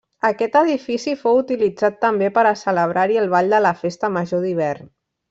Aquest edifici fou utilitzat també per a celebrar-hi el ball de la festa major d'hivern.